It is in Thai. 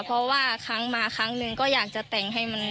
เพราะว่าครั้งมาครั้งหนึ่งก็อยากจะแต่งให้มัน